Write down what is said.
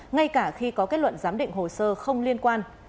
ngay cả khi có kết luận giám định hồ sơ không liên quan